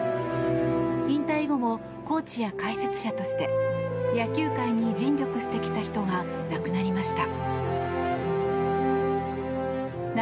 引退後もコーチや解説者として野球界に尽力してきた人が亡くなりました。